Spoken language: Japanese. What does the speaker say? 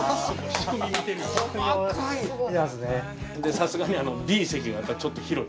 さすがにＢ席はやっぱちょっと広い。